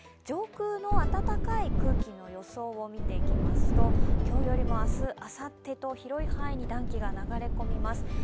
上空の暖かい空気の予想を見ていきますと今日よりも明日、あさってと広い範囲に暖気が流れ込みます。